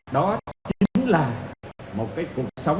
đó chính là một cuộc sống có chất lượng